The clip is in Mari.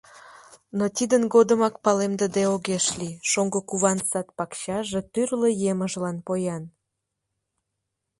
Но тидын годымак палемдыде огеш лий: шоҥго куван сад-пакчаже тӱрлӧ емыжлан поян.